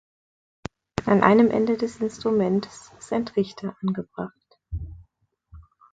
An einem Ende des Instruments ist ein Trichter angebracht.